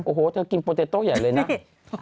โอโหเธอกินตาเต้าใหญ่เลยน่ะ